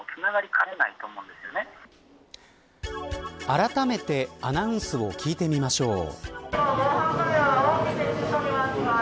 あらためてアナウンスを聞いてみましょう。